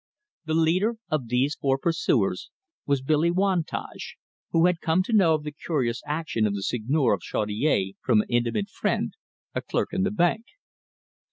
The leader of these four pursuers was Billy Wantage, who had come to know of the curious action of the Seigneur of Chaudiere from an intimate friend, a clerk in the bank.